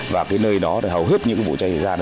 và cái nơi đó thì hầu hết những cái vụ cháy xảy ra